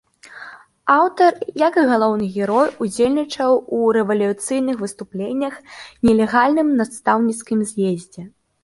Аўтар, як і галоўны герой, удзельнічаў у рэвалюцыйных выступленнях, нелегальным настаўніцкім з'ездзе.